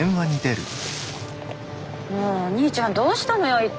もうお兄ちゃんどうしたのよ一体？